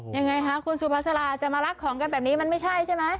ยังไงคะคุณสุภาษาจะมารักของกันแบบนี้มันไม่ใช่ใช่ไหม